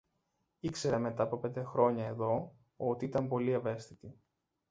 Ήξερε μετά από πέντε χρόνια εδώ ότι ήταν πολύ ευαίσθητοι